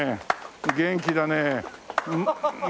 元気だね。